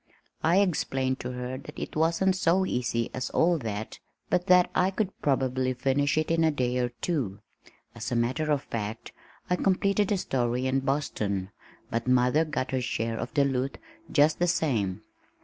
I explained to her that it wasn't so easy as all that, but that I could probably finish it in a day or two. (As a matter of fact, I completed the story in Boston but mother got her share of the "loot" just the same.)